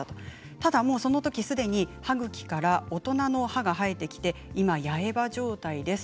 ただそのとき、すでに大人の歯が生えてきて、今は八重歯状態です。